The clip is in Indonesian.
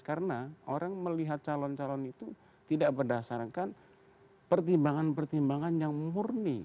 karena orang melihat calon calon itu tidak berdasarkan pertimbangan pertimbangan yang murni